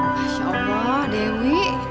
masya allah dewi